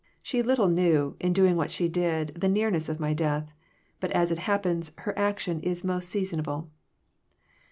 She little knew, in doing what she did, the nearness of my death ; but, as it happens, her action is most seasonable."